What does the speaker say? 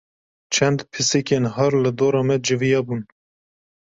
Çend pisîkên har li dora me civiyabûn.